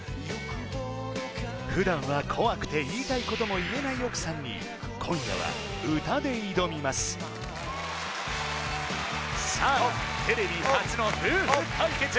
普段は怖くて言いたいことも言えない奥さんに今夜は歌で挑みますさあテレビ初の夫婦対決！